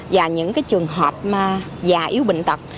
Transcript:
và những trường hợp già yếu bệnh tật